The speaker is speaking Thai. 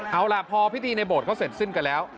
เอาล่ะพอพิธีในโบสถเขาเสร็จสิ้นกันแล้ว